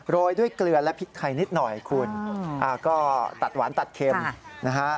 โรยด้วยเกลือและพริกไทยนิดหน่อยคุณก็ตัดหวานตัดเค็มนะฮะ